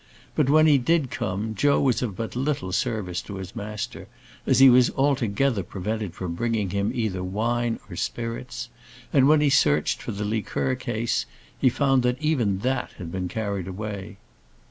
But when he did come, Joe was of but little service to his master, as he was altogether prevented from bringing him either wine or spirits; and when he searched for the liqueur case, he found that even that had been carried away.